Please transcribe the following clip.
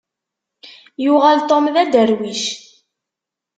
Yuɣal Tom d aderwic.